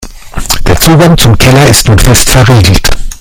Der Zugang zum Keller ist nun fest verriegelt.